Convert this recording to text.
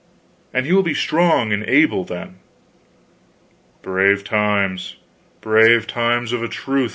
And he will be strong and able, then." "Brave times, brave times, of a truth!"